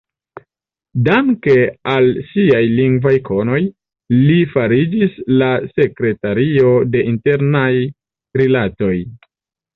Danke al siaj lingvaj konoj, li fariĝis la sekretario de Internaj Rilatoj.